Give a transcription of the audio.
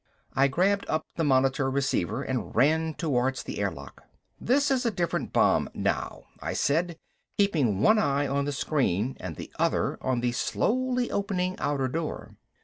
I grabbed up the monitor receiver and ran towards the air lock. "This is a different bomb now," I said, keeping one eye on the screen and the other on the slowly opening outer door.